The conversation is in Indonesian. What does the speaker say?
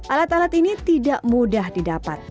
alat alat ini tidak mudah didapat